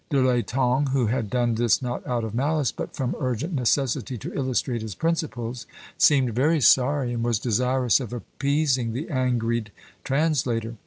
De l'Etang, who had done this not out of malice, but from urgent necessity to illustrate his principles, seemed very sorry, and was desirous of appeasing the angried translator.